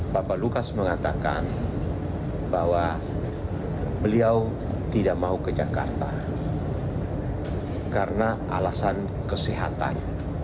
bapak lukas mengatakan bahwa beliau tidak mau ke jakarta karena alasan kesehatan